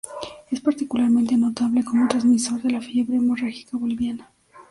Es particularmente notable como transmisor de la fiebre hemorrágica boliviana.